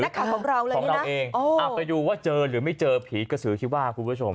นักข่าวของเราเลยของเราเองไปดูว่าเจอหรือไม่เจอผีกระสือที่ว่าคุณผู้ชม